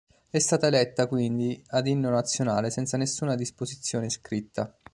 È stata eletta quindi ad inno nazionale senza nessuna disposizione scritta.